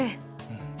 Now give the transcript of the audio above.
うん。